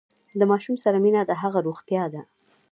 د ماشوم سره مینه د هغه روغتیا ده۔